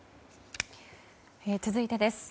続いてです。